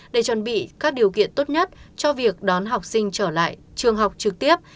để chuẩn bị các điều kiện tốt nhất cho việc đón học sinh trở lại trường học trực tiếp